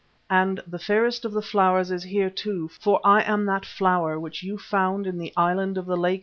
"And the fairest of the flowers is here, too, for I am that Flower which you found in the island of the lake.